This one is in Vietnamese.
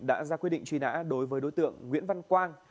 đã ra quyết định truy nã đối với đối tượng nguyễn văn quang